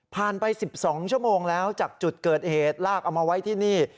ไป๑๒ชั่วโมงแล้วจากจุดเกิดเหตุลากเอามาไว้ที่นี่